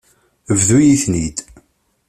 Bḍu-yi-ten-id.